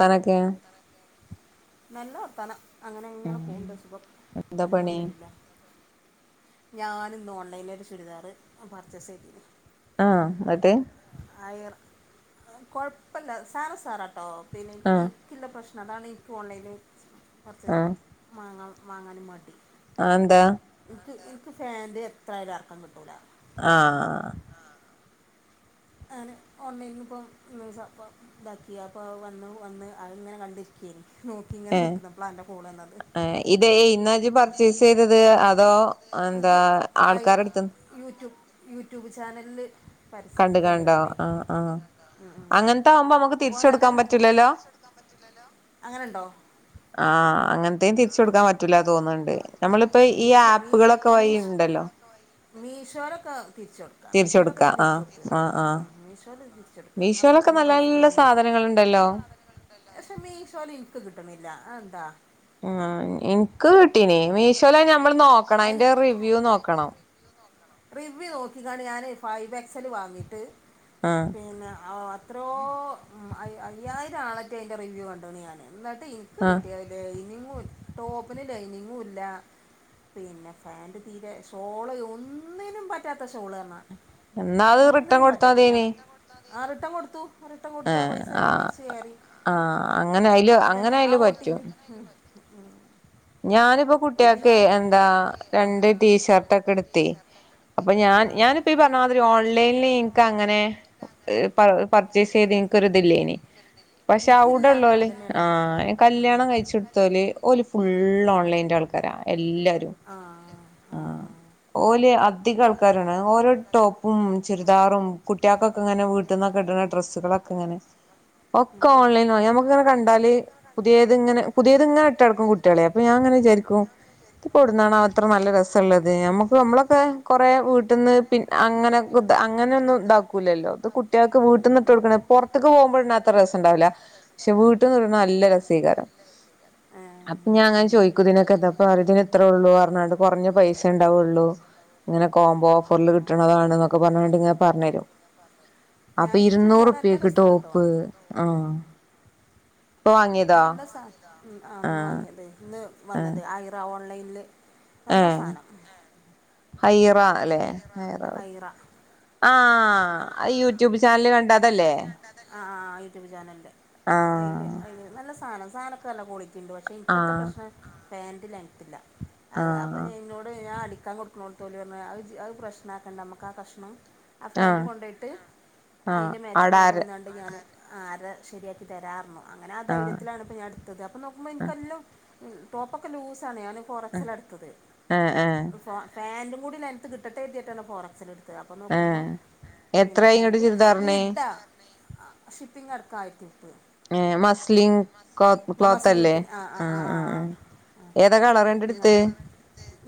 തനക്കെയാ നല്ല വർത്താനം അങ്ങനെ ഇങ്ങനെ പോണ് ണ്ട് സുഖം അൽഹംദുലില്ലാ ഞാൻ ഇന്ന് ഓൺലൈനി രണ്ട് ചുരിദാറ് പർച്ചേസ് ചെയ്തിനു ആഹ് എന്നിട്ട് അയിർ കൊഴപ്പല്ല സാനം ഉസാറാട്ടോ പിന്നെ ഇപ്പ ഈ ക്കില്ല പ്രശ്നം അതാണ് ഇപ്പോ ഓൺലൈനിൽ കുറച്ച് വാങ്ങാൻ വാങ്ങാനും മടി അതെന്താ എൻക്ക് എൻക്ക് ഫാൻ്റ് എത്രായാലും എറക്കം കിട്ടൂല ആഹ് ഞാന് ഓൺലൈനില് ഇപ്പം ഇതാക്കിയ അപ്പോ വന്നു വന്ന് അഹ് ഇങ്ങനെ കണ്ട് ക്കേനു നോക്കി ഇങ്ങനെ നിക്ക്‌ന്ന് അപ്പ്ളാ അന്റെ കോള് വന്നത് ഇത് ഈ പർച്ചെയ്‌സ് ചെയ്ത് ഇത് ആയി യുട്യൂ യൂട്യൂബ് ചാനലില് പര കണ്ട് കാണ്ടോ ആഹ് ആഹ് അങ്ങനത്തെ ആകുമ്പോ നമുക്ക് തിരിച്ച് കൊടുക്കാൻ പറ്റില്ലല്ലോ ഹലോ അങ്ങനെ ഉണ്ടോ ആഹ് അങ്ങനത്തെയും തിരിച്ച് കൊടുക്കാൻ പറ്റൂല തോന്ന്ണ് ണ്ട് നമ്മളിപ്പോ ഈ ആപ്പുകളൊക്കെ വഴി ഇണ്ടല്ലോ മീഷോലൊക്കെ തിരിച്ചൊട് ക്കാം മീഷോയിലൊക്കെ ഞാൻ തിരിച്ചു കൊടുക്ക ആഹ് മീഷോയിൽ തിരിച്ചെടുക്ക അപ്പ തന്നെ പൈസ കയറി വരും മീഷോയിലൊക്കെ നല്ല നല്ല സാ പക്ഷെ മീഷോല് എനിക്ക് കിട്ട്ണ്ല്ല അത്എന്താ ഉം എനിക്ക് കിട്ടീനേ മീഷോയിലെ ഞമ്മള് നോക്കണം അയിന്റെ റിവ്യൂ നോക്കണം റിവ്യൂ നോക്കിക്കാണ്ട് ഞാൻ ഫൈവ് എക്സല് വാങ്ങിയിട്ട് പിന്നെ ആ എത്രയോ അ അയ്യായിരം ആളത്തെ അയിൻ്റെ റിവ്യൂ കണ്ട്ണ് ഞാൻ എന്നിട്ട് എനിക്ക് കിട്ടിയ ലൈനിങ്ങും ടോപ്പിന് ലൈനിങ്ങും ഇല്ല പിന്നെ ഫാൻറ് തീരെ ഷോള് ഒന്നിനും പറ്റാത്ത ഷോള് റഞ്ഞ ഒന്നിനും പറ്റാത്ത ഞാ ആ റിട്ടൺ കൊട്ത്ത മതി ആ റിട്ടൺ കൊടുത്തു റിട്ടൺ കൊടുത്തു ആ പൈസ എനിക്ക് തിരിച്ചു കേറി അപ്പ തന്നെ ആ ഓ ടി പി മ് മ് ഞാനിപ്പോ കുട്ടേൾക്കേ എന്താ രണ്ട് ടീഷർട്ട് ഒക്കെ എടുത്തേ അപ്പൊ ഞാൻ ഞാനിപ്പ ഈ പറഞ്ഞമാതിരി ഓൺലൈനിൽ ഇനിക്ക് അങ്ങനെ പർച്ചേസ് ചെയ്ത് എൻക്ക് ഒരു ഇതില്ലേനി പക്ഷെ അവിടെള്ളോല് ആഹ് ആഹ് കല്യാണം കഴിച്ച് കൊടുത്തോല് ഓല് ഫുള്ള് ഓൺലൈന്റെ ആൾക്കാര എല്ലാരും ആ ഓല് അധിക ആൾക്കാരാണ് ഓരോ ടോപ്പും ഉം ചുരിദാറും കുട്ടിയോക്കൊക്കെ ഇങ്ങനെ വീട്ടന്നൊക്കെ ഇടുന്ന ഡ്രസ്സുകളൊക്കെ ഇങ്ങനെ ഓക്കെ ഓൺലൈൻ വാങ്ങി ഞമക്കിങ്ങനെ കണ്ടാല് പുതിയത് ഇങ്ങനെ പുതിയത് ഇങ്ങ ഇട്ടേടുക്കും കു ട്ട്യളെ അപ്പൊ ഞായിങ്ങനെ വിചാരിക്കും ഇപ്പെടുന്നാണാ ഇത്ര നല്ല രസുള്ളത് ഞമ്മുക്ക് നമ്മളൊക്കെ കൊറെ വീട്ടിന്ന് പിന് അങ്ങനെ ത് അങ്ങനെയൊന്നും ഇതാക്കൂല്ലല്ലോ ഇത് കുട്ടികൾക്ക് വീട്ടിന്നിട്ടു കൊടുക്കണ പൊർ ത്തേക്ക് പോകുമ്പോഴന്ന അത്ര രസവുണ്ടാവില്ലാ ക്ഷെ വീട്ടുന്ന് വിടുന്നെ നല്ല രസീക്കാരം അപ്പൊ ഞാ അങ്ങനെ ചോയിക്കു ഇതിനൊക്കെ ഇതപ്പ അതിനതിത്രേള്ളു പറഞ്ഞാട്ട കുറഞ്ഞ പൈസ ഉണ്ടാവുള്ളു ഇങ്ങനെ കോംബോ ഓഫറില് കിട്ടണതാണുന്നൊക്കെ പറഞ്ഞോണ്ടിങ്ങെ പറഞ്ഞരും അപ്പൊ ഇരുന്നൂറൂപ്യക്ക് ടോപ്പ് ആഹ് ഇപ്പൊ വാങ്ങിയതാ ഉം ആഹ് അന്ന് വാങ്ങിയത് ഇന്ന് വന്നത് ആയ്റാ ഓൺലൈനില് നല്ല സാനം ഹൈറാ അല്ലെ ഹൈറാ ആഹ് യൂട്യൂബ് ചാനല് കണ്ട അതല്ലേ ആഹ് ആഹ് യൂട്യൂബ് ചാനലില് അയില് അയില് നല്ല സാനം സാനൊക്കെ നല്ല കോളിറ്റിണ്ട് പ പക്ഷേ എനിക്കത്തെ പ്രശ്നം പാൻ്റ് ലെൻ ത്തില്ലാ അഹ് അപ്പോ ഇന്നോട് ഞാൻ അടിക്കാ കൊ കൊടുതോലി പറഞ്ഞ് അഹ് പ്രശ്നാക്കണ്ട നമ്മക്ക് ആഹ് കഷ്ണം ആഹ് ഫെന്റ് കൊണ്ടോയിട്ട് അയിന്റെ മാച്ച് ണ്ട് ഞാന് ആര ശെരിയാക്കി തരാറ്ന്നു അങ്ങനെ ആഹ് ധൈര്യത്തിലാണിപ്പ ഞാ ത്തത് അപ്പോനോക്കുമ്പോ എനിക്കെല്ലാം ഉം ടോപ്പൊക്കെ ലൂസാണ് ഞാന് ഫോറക്സലട്ത്തത് ഫാ ഫാൻഡും കൂടി ലെൻത്ത് കിട്ടിട്ടെ കരുതീട്ടാണ് ഫോറക്സലട് അപ്പൊ നോക്കുമ്പോ പിന്നെ ഫെൻ്റ് ഇഡ- ആഹ് ഷിപ്പിങ് അടുത്തായി ട്ടിപ്പ് ഏ മസ്ലിങ് കൊ ക്ലോത്ത് അല്ലേ ആഹ് ആഹ് ഏ ഏതാ കളറണ്ടെട്ത്തേ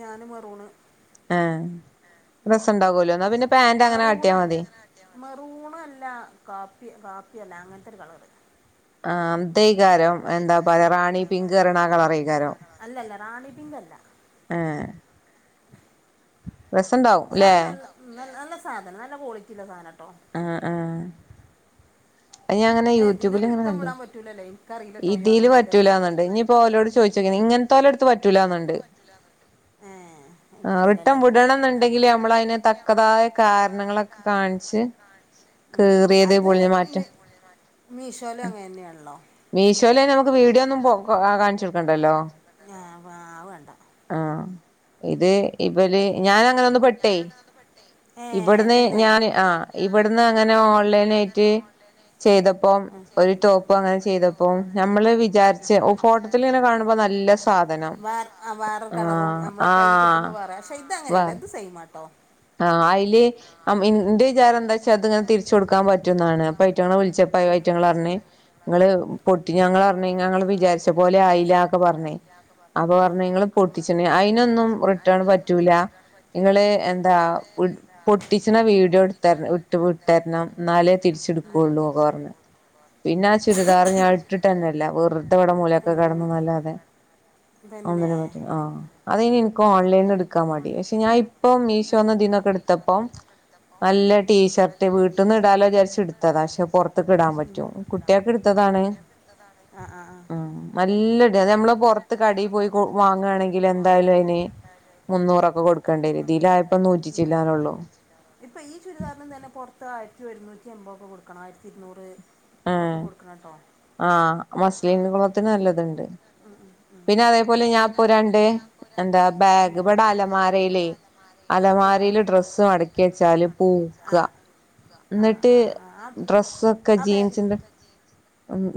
ഞാന് മെറൂണ് ഏ രസാണ്ടാകൂലോ ന്നാ പിന്നെ പാന്റ് ങ്ങനെ കാട്ട്യാമതി മെറൂണുല്ലാ കാപ്പി കാപ്പിയല്ലാ അങ്ങനത്തൊരു കളറ് ആഹ് അത്തെകാരം എന്താ പയറാണി പിങ്ക് പറിണ ആ കളറെക്കാരം അല്ലല്ല റാണി പിങ്കല്ലാ ഏ റെസണ്ടാവും സാധനം നല്ല നല്ല സാധനം നല്ല ക്വാളിറ്റിയ്ള്ള സാനട്ടോ ആഹ് ആഹ് ഏ ഇതില് റിട്ടം വിടാം പറ്റൂലല്ലയ്ന് ഇതില് പറ്റൂലാന്ന്ണ്ട് ഇഞ്ഞ്പ്പോ ഓലോട് ചോയ്ച്ചോക്കാ ഇങ്ങനത്തോലട്ത്ത് പറ്റൂലാന്ന്ണ്ട് ആഹ് റിട്ടം വിടണം ന്ന്ണ്ടെങ്കില് നമ്മള അയിന് തക്കതായ കാരണങ്ങളൊക്കെ കാണി ച്ച് കേറിയതെ പൊളിഞ്ഞ് മാറ്റ മീഷോലും അങ്ങനന്നെയാണല്ലോ മീഷോയില് അയിന് ഞമ്മക്ക് വീഡിയോ ഒന്നും പോ കാ കാ കാണിച്ചു കൊടുക്കണ്ടല്ലോ ഞാ ആഹ് അഹ് വേണ്ട ആഹ് ഇത് ഇവല് ഞാനങ്ങനൊന്ന് പെട്ടേ ഇഭടന്ന് ഞാൻ ആഹ് ഇവടന്ന് അങ്ങനെ ഓൺലൈനായിറ്റ് ചെയ്തപ്പം ഒരു ടോപ്പങ്ങനെ ചെയ്തപ്പം ഞമ്മള് വിചാരിച്ച് ഓഹ് ഫോട്ടോത്തിലിങ്ങനെ കാണുമ്പോ നല്ല സാധനം ആഹ് വേറെ കളറും ഞമ്മളെകൈ കിട്ടുമ്പോ വേറെ പക്ഷെ ഇത് അങ്ങനെയല്ലാ ഇത് സെയിമാട്ടോ ആഹ് അയില് അമ് ഇന്റെ വിചാരം എന്താച്ചാ അതിങ്ങനെ തിരിച്ചു കൊടുക്കാൻ പറ്റുന്നാണ് പൈറ്റങ്ങളെ വിളിച്ചപ്പോ അയ്റ്റങ്ങള് ളറ്ന്ന് ങ്ങള് പൊട്ടി ഞങ്ങളറ്ഞ്ഞ് ഞങ്ങള് വിചാരിച്ച പോലെ ആയില്ലക്കൊ പറ്ഞ്ഞ് അപ്പൊ പറ്ഞ്ഞ് ഇങ്ങ പൊട്ടിച്ച്ണ് അയിനൊന്നും റിട്ടേണ് പറ്റൂല്ലാ ഇങ്ങള് എന്താ പൊട്ടിച്ച്ണ വീടിയോട്ത്തര് വിട്ട് വിട്ടര്ണം ഇന്നാലേ തിരിച്ചെടുക്കുള്ളൂക്കെ പറ്ഞ് [inaudible] പിന്നെ ആഹ് ചുരിദാർ ഞാൻ ഇട്ടിട്ട് ന്നെല്ല വെറുതെവ്‌ടെ മുലൊക്കെ കടന്ന് ന്നല്ലാതെ അതെന്തിനാപറ്റ ആഹ് അത് ഇന്ക്കും ഓൺലൈന്ന് എട്കാം മടി പക്ഷെ ഞാ ഇപ്പം മീ ന്ന് ദീന്നൊക്കെട്ത്തപ്പം നല്ല ടീഷർട്ട് വീട്ട്ന്ന് ഇടാലോ വിചാരിച്ച് ഇട്ത്തതാ പക്ഷെ പുറത്ത്ക്ക് ഇടാം പ റ്റും കുട്ട്യാക്ക് ഇട്ത്തതാണ് ആഹ് ആഹ് ആഹ് നല്ലത് അത് നമ്മള് പുറത്ത് കടയില് പോയി വാങ്ങണെങ്കിൽ എന്തായാലും അതിന് മുന്നൂറൊക്കെ കൊടുക്കേണ്ടി വരും. ഇതിലായപ്പോ നൂറ്റിച്ചില്ലാനോള്ളൂ ഈ ചുരിദാർ തന്നെ പുറത്ത് ആയിരത്തി ഒരുന്നൂറ്റി എൻമ്പതൊക്കെ കൊടുക്കണം ആയിരത്തി ഇരുന്നൂറ് ഏഹ് ആഹ് മസ്ലീൻ ക്ലോളത്തിന് നല്ലതുണ്ട് മം മം പിന്നെ അതേപോലെ ഞാൻപ്പൊ രണ്ട് എന്താ ബാഗ് ഇവടെ അലമാരലെ അലമാരിയില് ഡ്രസ്സ് മടക്കി വെച്ചാല് പൂക്കാ എന്നിട്ട്ഡ്രസ്സ് ഒക്കെ ജീൻസിൻ്റെ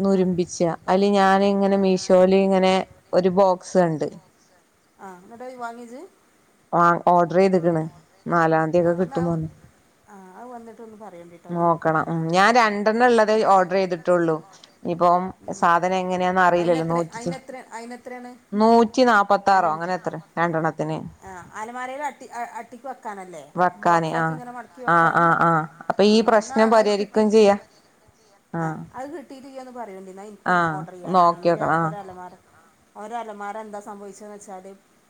നുരുമ്പിച്ച അതില് ഞാൻ ഇങ്ങനെ മീഷോൽ ഇങ്ങനെ ഒരു ബോക്സ് കണ്ട് ആഹ് ഇന്നട്ട് അത് വാങ്ങിയോ ഇജ്ജ് ആഹ് ഓർഡർ ചെയ്ത്ക്ണ് നാലാന്തി ഒക്കെ കിട്ടുന്ന് പറഞ്ഞു. നോക്കണം മം, ഞാൻ രണ്ടെണ്ണള്ളതെ ഓർഡർ ചെയ്തിട്ടുള്ളൂ. ഇനിപ്പം സാധനം എങ്ങനെയാന്ന് അറിയില്ലല്ലോ നൂറ്റിചി നൂറ്റി നൂറ്റി നാല്പ്പത്താറോ അങ്ങനെ എത്രയാ രണ്ടെണ്ണത്തിന് ആ അലമാരയിൽ അട്ടി അട്ടിക്ക് വെക്കാനല്ലേ വക്കാന് ആഹ് ആഹ് ആഹ് ആഹ് അപ്പൊ ഈ പ്രശ്നം പരിഹരിക്കും ചെയ്യാ. [inaudible] അത് കിട്ടിട്ട് ഇയ്യോന്ന് പറയോണ്ടി നിക്കും ഓർഡർ ചെയ്യാനാണ് ഇൻ്റെ ഒരഅലമാര ഒര്അലമാര എന്താ സംഭവിച്ചതെന്ന് വെച്ചാൽ,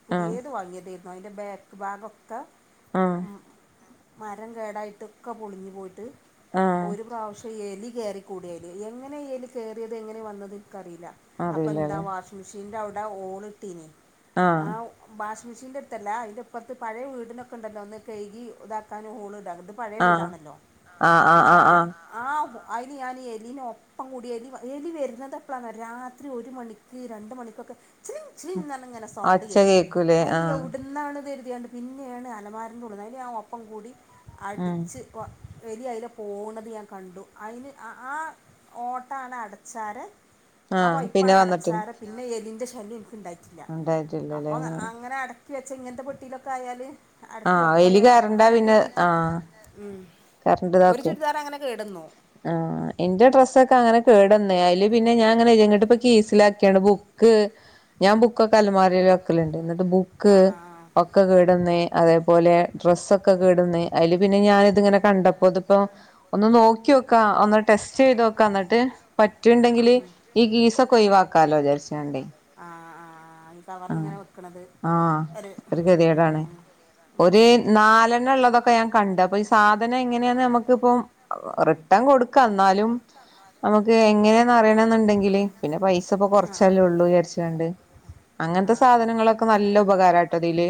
പുതിയത് വാങ്ങിയതായിരുന്നു അതിൻ്റെ ബാക്ക് ഭാഗഒക്കെ മരം കേടായിട്ടൊക്കെ പൊളിഞ്ഞു പോയിട്ട്, ഒരു പ്രാവശ്യം എലി കേറി കൂടിയത് എങ്ങനെ എലി കേറിയത് എങ്ങനെ വന്നത് ഇനിക്ക് അറിയില്ല അപ്പൊ എന്താ വാ ഷിങ് മെഷീന്റെ അവിടെ ഹോൾ ഇട്ട്നീ ആ ഹോ വാഷിംഗ് മെഷീൻ്റെടുത്തല്ല അതിൻ്റെ ഇപ്പറത്ത് പഴയെ വീടിനോക്കെ ഉണ്ടല്ലോ ഒന്ന് കഴുകി ഇതാക്കാന് ഹോള് ഇടാ പഴയ വീടാണല്ലോ അപ്പോ ആഹ് അതിന് ഞാന് എലിനെ ഒപ്പം കൂടി എലി എലി വരുന്നത് എപ്പോഴാണ് അറിയോ രാത്രി ഒരു മണിക്ക് ക്ക് രണ്ട് മണിക്കൊക്കെ ചിലിം ചിലിം ങ്ങനെ സൗണ്ട് കേൾക്കും അതില് എവിട്ന്നാണ്ന്ന് ഇത് കരുതിങ്ങാണ്ട് പിന്നെയാണ് അലമാര ന്റെ ഉള്ളിന്ന് അതില് ഞാൻ ഒപ്പം കൂടി അടിച്ച് എലി അതിലെ പോണത് ഞാൻ കണ്ടു, അതിന് ആ ഓട്ട അങ്ങട് അടച്ചാരെ ആ പൈപ്പാണ് അടച്ചാരെ പിന്നെ എലിന്റെ ശല്യം എനിക്ക്ണ്ടായിട്ടി ല്ല അപ്പോ അങ്ങനെ അടക്കി വെച്ച ഇങ്ങനത്തെ പെട്ടിയിലൊക്കെ ആയാല് വെക്കാ വിചാരിച്ചിട്ട് എന്നാൻ കിട്ടീട്ട് മം കറന്റ് ഇതാക്കുവേ ഇപ്പഅങ്ങനെ കേടന്നു ആഹ് എന്റെ ഡ്രസ് ഒക്കെ അങ്ങനെ കേടന്ന് അതില് പിന്നെ ഞങ്ങനെ എങ്ങട്ട് ഇപ്പോ കീസിലാക്കി ക്കിയാണ്ട് ബുക്ക് ഞാൻ ബുക്ക് ഒക്കൊ അലമാരേൽ വെക്കലുണ്ട് എന്നിട്ട് ബുക്ക് ഒക്കെ കേട്വന്ന് അതേപോലെ ഡ്രസ്സൊക്കെ കേട് വന്ന് അതില് പിന്നെ ഞാനിതിങ്ങനെ കണ്ടപ്പോ ഇപ്പൊ ഒന്ന് നോക്കിയോക്കാ ഒന്ന് ടെസ്റ്റ് ചെയ്തോക്ക എന്നിട്ട് പറ്റുണ്ടെങ്കില് ഈ കീസൊക്കെ ഒഴിവാക്കാലോ വിചാരിച്ചാണ്ട് ആഹ് ആഹ് മം ആഹ് ഒരു ഗതികേടാണ് ഒരു നാലെണ്ണ ഉള്ളതൊക്കെ ക്കെ ഞാൻ കണ്ട് അപ്പൊ ഈ സാധനം എങ്ങനെയാണ് നമുക്കിപ്പോ റിട്ടേൺ കൊടുക്ക എന്നാലും നമുക്ക് എങ്ങനെയന്ന് അറിയണ എന്നുണ്ടെങ്കില് പിന്നെ പൈസ ഇപ്പോ കുറച്ചാലേ ഉള്ളൂ വിചാരിച്കാണ്ട് അങ്ങൻത്ത സാധനങ്ങളൊക്കെ നല്ല ഉപകാരാട്ടതില്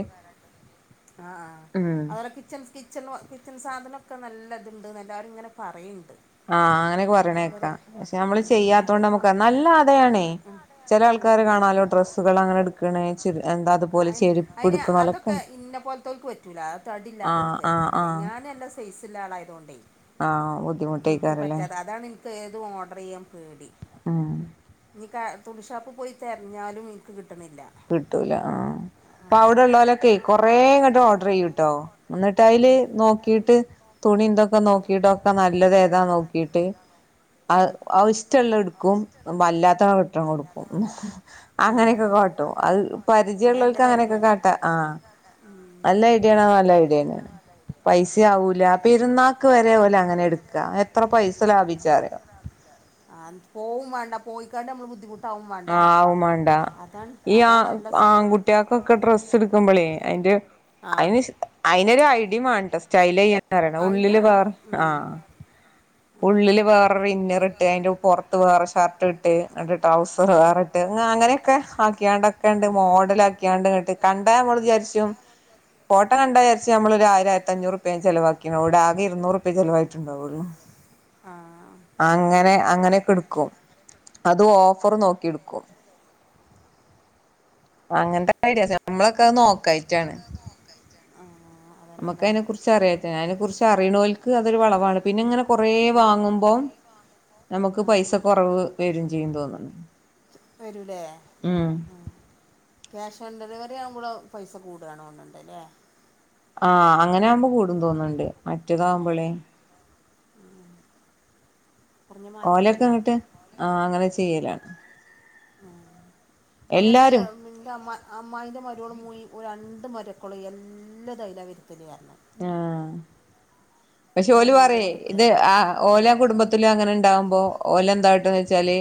ആ ആഹ് അവരെ കിച്ചൻസ് കിച്ചണു കിച്ചൺ സാധനൊക്കെ നല്ലത്ണ്ട്ന്നെല്ലാരുംങ്ങനെ പറയ്ണ്ട് ആഹ് അഅങ്ങനെയൊക്കെ പറയ്ണേക്കാ പക്ഷെ നമ്മള് ചെയ്യാത്തോണ്ട് നമ്മക്ക നല്ലാതായാണേ ചെല ആൾക്കാര് കാണാലോ ഡ്രസ്സുകളങ്ങനെട് ആ അയിന് അതൊക്കെ ഇന്നെപോൽ ത്തോൽക്ക് പറ്റൂല തടി ഇല്ലാതോൽക്ക്തര്ക്കട്ല്ല ഞാന് അല്ല സൈസ്ള്ള ആളായതോണ്ടേയ് ഇൻക്ക് പറ്റാതെ അതാണ് ഇൻക്കേതു ഓഡറെയ്യാൻ പേടി ആഹ് ഞ്ഞി കാ തുണിഷാപ്പ് പോയി തെര്ഞ്ഞാലും ഇന്ക്ക് കിട്ട്ണില്ല കിട്ടൂല ആഹ് പ്പ ഔടെ ള്ളോലൊക്കെയ് കൊറേങ്ങട്ടോഡ്റെയ്യുട്ടോ ന്നട്ടയ്ല് നോക്കീട്ട് തുണിം തൊക്കെ നോക്കിയിട്ടൊക്കെ നല്ലതേതാ നോക്കീട്ട് അഹ് അഹ്ഷ്ടള്ളഹ് ഇട് ക്കും ബല്ലാത്ത റിട്ടം കൊടുക്കും. അങ്ങനൊക്കെ കാട് ട്ടും. അഹ് പരിചയള്ളോൽക്കങ്ങനെയൊക്കെ കാട്ടാ ആഹ് ഉം നല്ല ഐഡിയേണ് നല്ല ഐഡിയന്നെണ് പൈസ്യു ആവൂല പെര്ന്നാക്ക് വരെ ഓലങ്ങനെട്ക്കാ. എത്ര പൈസ ലാഭിച്ചാറിയോ ആഹ് പോവും വേണ്ട പോയിക്കാണ്ട് നമ്മൾ ബുദ്ധിമുട് ട്ടാവും മാണ്ട അതാണ് അതാണല്ല സുഖം കുട്ട്യാക്കൊക്കെ ഡ്രസ്സ്ട്ക്കുമ്പളേ അയ്ന്റെ അയ്ന് അയിനൊരൈഡിം വേണട്ടോ സ്റ്റൈലയ്യ ന്നറ്യണം. ഉള്ളില് വേർ ആഹ് ഉള്ളില് വേറെരു ഇന്നറ്ട്ട് അയ്ന്റെ പൊർത്ത് വേറെ ഷർട്ട്ട്ട് ന്നട്ട് ടൗസർ വേറെ ഇ ട് ങ്ങ അങ്ങനെയൊക്കെ ആക്കിയാണ്ടൊക്കെണ്ട് മോഡലാക്കിയാണ്ട്ങ്ങട്ട് കണ്ട ഞമ്മള് വിചാര്ച്ചും ഫോട്ടം കണ്ടാചാരിച്ച് നമ്മളൊരു ആയിരായ്ര്ത്തഞ്ഞൂറുപ്യ അയ്‌ന് ചെലവാക്കീണ് ന്ന് ഔടെ ആകെ ഇരുന്നൂരുപ്യ ചെലവായിട്ട്ണ്ടാവൊള്ളൂ ആഹ് അങ്ങനെ അങ്ങനെക്കെട്ക്കും. അതും ഓഫറ് നോക്കിട്ക്കും അങ്ങൻത്തെ ഐഡിയാസ് നമ്മളൊക്കെ അഹ് നോക്കായിട്ടാണ് ആഹ് നമുക്ക് അയ്നെ കുറിച്ച് അറിയായിറ്റ അയ്നെക്കുറിച്ച് അറിണോൽക്ക് അതൊര് വളവാണ് പിന്നെങ്ങനെ കൊറേ വാങ്ങുമ്പോം നമുക്ക് പൈസ കൊറവ് വെരും ചെയ്യും തോന്ന്ണ് വരൂലേ ആഹ് ക്യാഷ് ഓൺ ഡെലിവറി ആവുമ്പളും പൈസ കൂടാണോന്ന്ണ്ട് ലേ ആഹ് അങ്ങന്യാവുമ്പോ കൂടും തോന്ന്ണ്ട്. മറ്റതാവുമ്പളേ ഓലൊക്കെങ്ങിട്ട് ആഹ് അങ്ങനെ ചെയ്യലാണ് അങ്ങനെ ന്റെമ്മ അമ്മായിൻ്റെ മരോൾ മുയ് ഒരണ്ട് മരക്കളും എല്ലതൈല വെര്ത്തല്അർഞ് ആഹ് പക്ഷെ ഓല് പറയ് ഇത് ആഹ് ഓല കുടുംബത്തിലും അങ്ങനെ ണ്ടാകുമ്പോ ഓലന്താട്ടന്ന്ച്ചാല്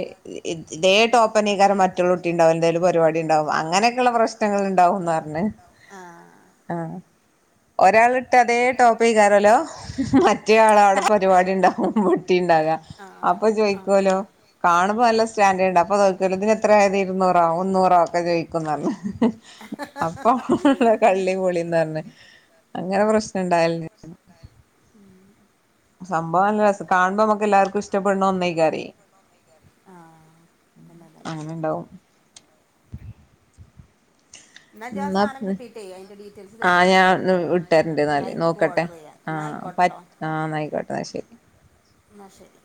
ഇതേ ടോപ്പന്നെ ക്കാരം മറ്റോളുട്ടിണ്ടാവ എന്തേലും പരിപാടിണ്ടാവുമ്പൊ അങ്ങനെയൊക്കള്ള പ്രശ്നങ്ങള് ണ്ടാവുംന്നർഞ്ഞ് ആഹ് ആഹ് ഒരാള്ട്ട അതേ ടോപ്പേക്കാരോലൊ മറ്റേയാളവിടെ പരിപാടിണ്ടാവമ്പൊട്ടിണ്ടാവ, അപ്പൊ ചോയ്ക്കോലോ കാണുമ്പൊ നല്ല സ്റ്റാൻഡേർഡ്ണ്ട്. അപ്പൊ നോക്കല്ലോ തിനെത്രേ ആയത് ഇരുന്നൂറോ മുന്നൂറോ ഒക്കെ ചോയ്ക്കുന്നർഞ്ഞ് അപ്പൊ കള്ളി പൊളിയും ന്ന് പർഞ് അങ്ങനെ പ്രശ്നണ്ടാ സംഭവംല്ലരസ കാണുമ്പൊ ഞമ്മക്കെല്ലാർക്കും ഇഷ്ടപ്പെട്ണത് ഒന്നേക്കാരെ ആഹ് അങ്ങനെ ണ്ടാവും ന്നാ ജ്ജാ സാധനം കിട്ടിട്ടേ അയ്ന്റെ ഡീറ്റെൽസ് തെരോണ്ടിട്ടോ ന്നാ ഇൻക്കും ഓഡറെയ്യാ ന്നാ അയ്കോട്ടെട്ടോ ആഹ് ന്നായ്ക്കോട്ടെ ന്നാ ശെരി ന്നാ ശെരി